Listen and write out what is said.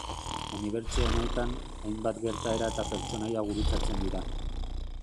Unibertso honetan, hainbat gertaera eta pertsonaia gurutzatzen dira.